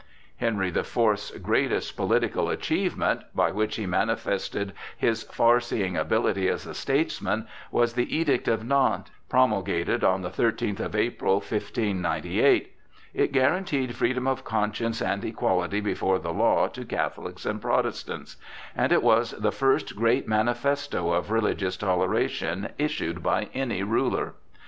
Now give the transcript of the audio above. Henry the Fourth's greatest political achievement, by which he manifested his far seeing ability as a statesman, was the Edict of Nantes, promulgated on the thirteenth of April, 1598. It guaranteed freedom of conscience and equality before the law to Catholics and Protestants; and it was the first great manifesto of religious toleration issued by any ruler.